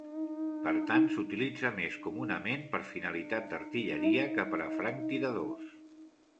Per tant, s'utilitza més comunament per finalitat d'artilleria que per a franctiradors.